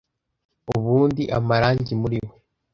Ubundi umurangi muri we